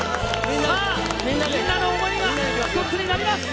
さあ、みんなの想いが一つになります。